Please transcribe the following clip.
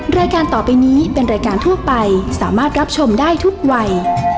รายการต่อไปนี้เป็นรายการทั่วไปสามารถรับชมได้ทุกวัย